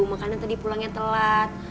makanya pulangnya telat